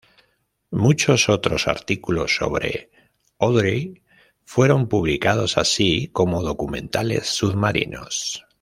Muchos otros artículos sobre Audrey fueron publicados, así como documentales submarinos.